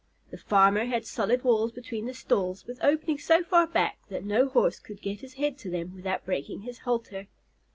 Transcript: The farmer had solid walls between the stalls, with openings so far back that no Horse could get his head to them without breaking his halter.